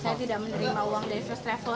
saya tidak menerima uang dari first travel